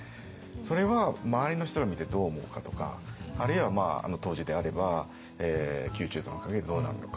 それは周りの人が見てどう思うかとかあるいはあの当時であれば宮中との関係でどうなるのか。